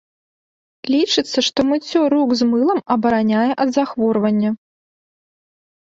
Лічыцца, што мыццё рук з мылам абараняе ад захворвання.